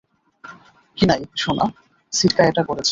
কিনাই, শোনো, সিটকা এটা করেছে।